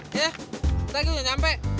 kita lagi udah nyampe